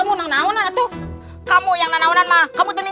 aku akan melakukan ritual untuk mendapatkan minyak tuntung itu